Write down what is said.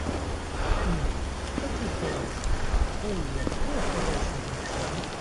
Ні, таки хороше, ой, яке хороше життя!